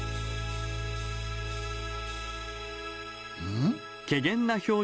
ん？